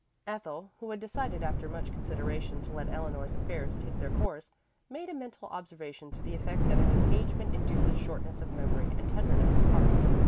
Ethel, who had decided after much consideration to let Eleanor's affairs take their course, made a mental observation to the effect that an engagement induces shortness of memory and tenderness of heart.